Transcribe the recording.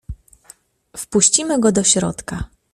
"Wpuścimy go do środka."